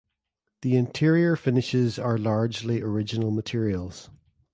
The interior finishes are largely original materials.